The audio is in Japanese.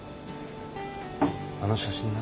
あの写真な。